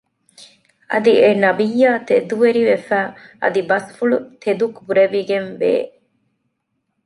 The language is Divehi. އަދި އެ ނަބިއްޔާ ތެދުވެރިވެފައި އަދި ބަސްފުޅު ތެދު ކުރެވިގެންވޭ